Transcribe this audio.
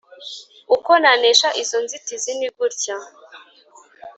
Uko nanesha izo nzitizi nigutya